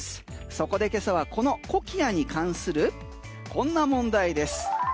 そこで今朝はこのコキアに関するこんな問題です。